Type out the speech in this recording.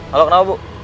halo kenapa bu